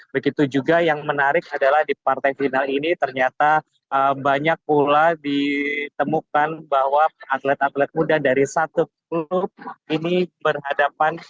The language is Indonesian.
begitu juga yang menarik adalah di partai final ini ternyata banyak pula ditemukan bahwa atlet atlet muda dari satu klub ini berhadapan